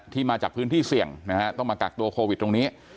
มาจากพื้นที่เสี่ยงนะฮะต้องมากักตัวโควิดตรงนี้